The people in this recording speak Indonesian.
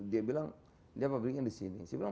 dia bilang dia pabriknya disini